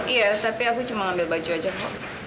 iya tapi aku cuma ambil baju aja pak